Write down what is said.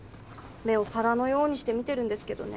目を皿のようにして見てるんですけどね。